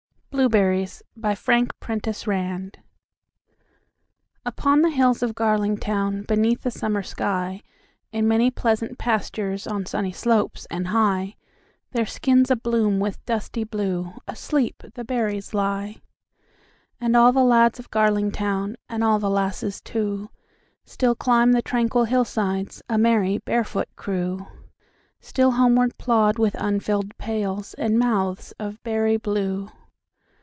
assachusetts Poets. 1922. Blueberries UPON the hills of GarlingtownBeneath the summer sky, In many pleasant pasturesOn sunny slopes and high, Their skins abloom with dusty blue, Asleep, the berries lie. And all the lads of Garlingtown, And all the lasses too, Still climb the tranquil hillsides,A merry, barefoot crew; Still homeward plod with unfilled pailsAnd mouths of berry blue.